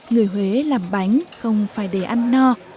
người huế làm bánh không phải để ăn no